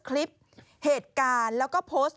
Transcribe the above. คลิปเหตุการณ์แล้วก็โพสต์